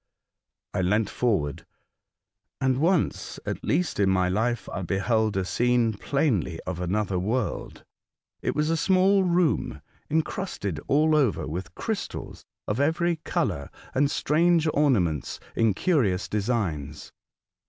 I leant forward, and once at least in my life I beheld a scene plainly of another world. It was a small room, encrusted all over with crystals of every colour and strange ornaments in curious designs.